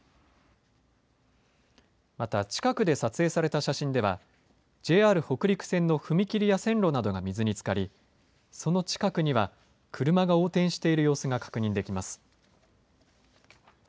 また、近くで撮影された写真では、ＪＲ北陸線の踏切や線路などが水につかり、その近くには車が横転している様子が確認できます。